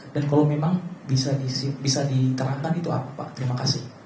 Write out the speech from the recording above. dan kalau memang bisa diterangkan itu apa pak terima kasih